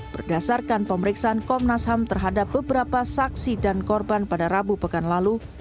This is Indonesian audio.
berdasarkan pemeriksaan komnas ham terhadap beberapa saksi dan korban pada rabu pekan lalu